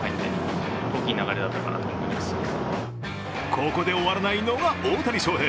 ここで終わらないのが大谷翔平。